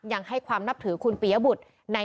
ยังให้ความนับถือคุณปียบุตร